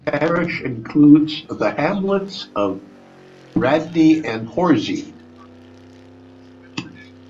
The parish includes the hamlets of Bradney and Horsey.